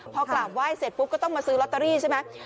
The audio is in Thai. พอกราบไหว้เสร็จปุ๊บก็ต้องมาซื้อลอตเตอรี่ใช่ไหม